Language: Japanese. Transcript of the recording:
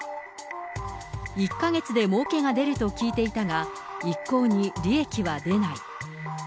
１か月でもうけが出ると聞いていたが、一向に利益は出ない。